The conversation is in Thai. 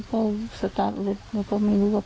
ก็แอก่ลูกแล้วก็ไม่รู้ว่า